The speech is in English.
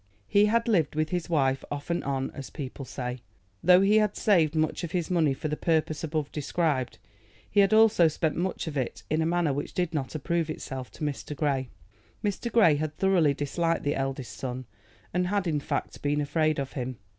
He had lived with his wife off and on, as people say. Though he had saved much of his money for the purpose above described, he had also spent much of it in a manner which did not approve itself to Mr. Grey. Mr. Grey had thoroughly disliked the eldest son, and had, in fact, been afraid of him.